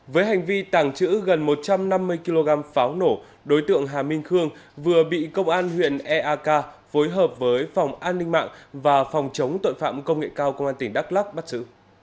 với hành vi tàng trữ gần một trăm năm mươi kg pháo nổ đối tượng hà minh khương vừa bị công an huyện eak phối hợp với phòng an ninh mạng và phòng chống tội phạm công nghệ cao công an tỉnh đắk lắc bắt giữ